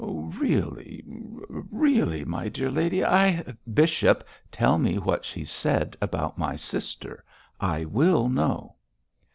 'Really, really, my dear lady, I ' 'Bishop, tell me what she said about my sister. I will know.'